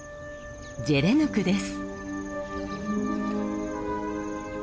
ジェレヌクです。